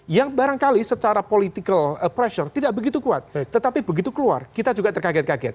yang barangkali secara political pressure tidak begitu kuat tetapi begitu keluar kita juga terkaget kaget